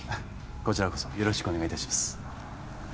こちらこそよろしくお願いいたします